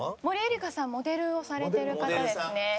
森絵梨佳さんモデルをされてる方ですね。